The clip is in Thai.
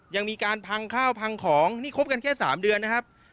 ยังมีการพังข้าวพังของนี่คบกันแค่๓เดือนนะครับ